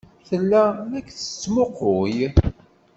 Tella la k-tettmuqqul.